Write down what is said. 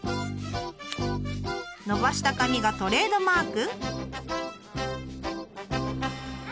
伸ばした髪がトレードマーク。